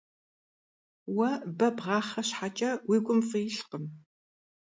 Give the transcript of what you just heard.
Уэ бэ бгъахъэ щхьэкӀэ, уи гум фӀы илъкъым.